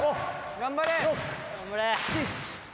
頑張れ！